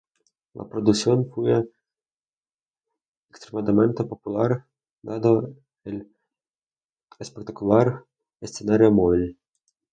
La producción fue extremadamente popular, dado el espectacular escenario móvil.